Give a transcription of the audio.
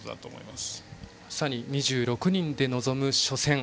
まさに２６人で臨む初戦。